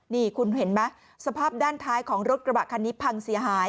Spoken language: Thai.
นี่คุณเห็นไหมสภาพด้านท้ายของรถกระบะคันนี้พังเสียหาย